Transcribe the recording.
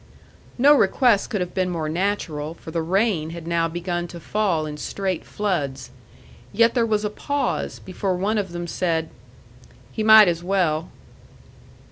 No request could have been more natural, for the rain had now begun to fall in straight floods. Yet there was a pause before one of them said, "He might as well."